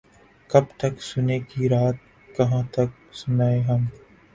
کب تک سنے گی رات کہاں تک سنائیں ہم